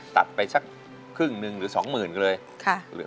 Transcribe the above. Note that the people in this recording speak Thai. ตัดไปสักครึ่งหนึ่งหรือสองหมื่นก็เลย